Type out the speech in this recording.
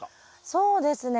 そうですね。